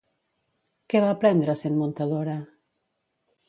Què va aprendre sent muntadora?